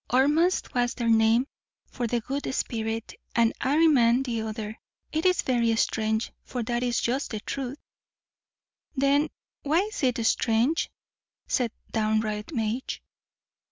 Ormuzd was their name for the good Spirit, and Ahriman the other. It is very strange, for that is just the truth." "Then why is it strange?" said downright Madge.